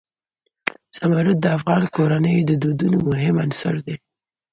زمرد د افغان کورنیو د دودونو مهم عنصر دی.